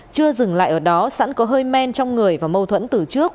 chưa dừng lại ở đó sẵn có hơi men trong người và mâu thuẫn từ trước